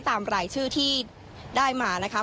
ตามรายชื่อที่ได้มานะคะ